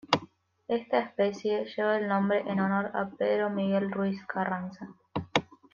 Esta especie lleva el nombre en honor a Pedro Miguel Ruíz-Carranza.